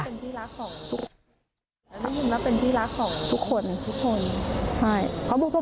นับเป็นที่รักของทุกคน